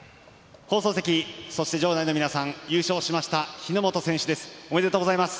放送席、そして場内の皆さん優勝しました、日本選手です。おめでとうございます。